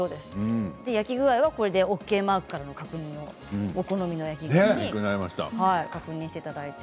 焼き具合はＯＫマークからのお好みの焼き具合で確認していただいて。